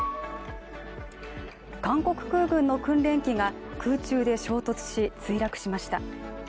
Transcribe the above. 韓国空軍の訓練機が空中で衝突し、墜落しました。